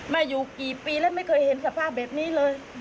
มาอยู่กี่ปีแล้วไม่เคยเห็นสภาพแบบนี้เลย